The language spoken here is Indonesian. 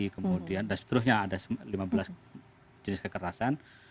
kemudian dan seterusnya ada lima belas jenis kekerasan